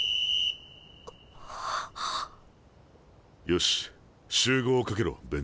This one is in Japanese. よし集合をかけろ弁禅。